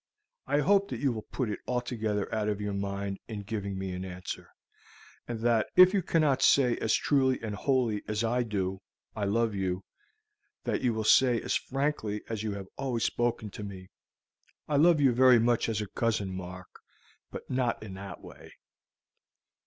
I hope that you will put it altogether out of your mind in giving me an answer; and that if you cannot say as truly and wholly as I do, 'I love you,' that you will say as frankly as you have always spoken to me, 'I love you very much as a cousin, Mark, but not in that way.'"